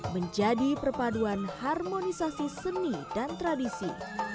menjadi perpaduan harmonisasi seni dan tradisi